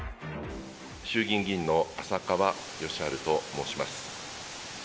衆議院議員の浅川義治と申します。